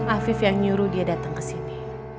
afif yang nyuruh dia datang ke sini